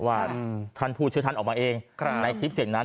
ว่าท่านพูดชื่อท่านออกมาเองในคลิปเสียงนั้น